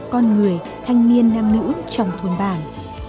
con người thanh niên nam nữ chồng thôn bản